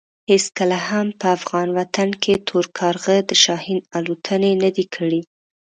هېڅکله هم په افغان وطن کې تور کارغه د شاهین الوتنې نه دي کړې.